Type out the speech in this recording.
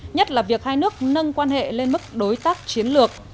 nhất là việc hai nước nâng quan hệ lên mức đối tác chiến lược